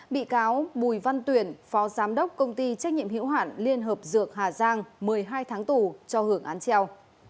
bị cáo bùi văn tuyển phó giám đốc công ty trách nhiệm hiểu hạn liên hợp dược hà giang một mươi hai tháng tù cho hưởng án treo